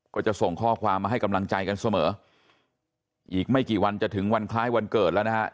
ก็จะส่งข้อความมาให้กำลังใจกันเสมออีกไม่กี่วันจะถึงวันคล้ายวันเกิดแล้วนะฮะ